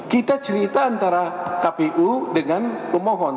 kita cerita antara kpu dengan pemohon